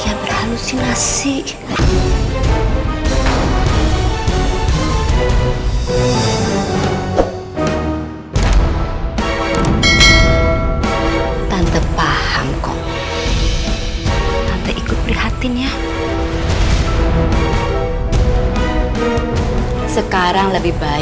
aku harus utamakan keselamatan arshila